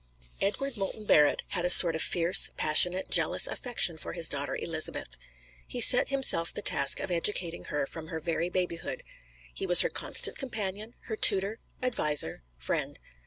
Edward Moulton Barrett had a sort of fierce, passionate, jealous affection for his daughter Elizabeth. He set himself the task of educating her from her very babyhood. He was her constant companion, her tutor, adviser, friend.